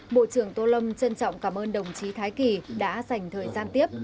bộ trưởng tô lâm trân trọng cảm ơn đồng chí thái kỳ đã dành thời gian tiếp